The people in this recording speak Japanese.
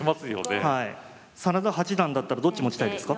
真田八段だったらどっち持ちたいですか？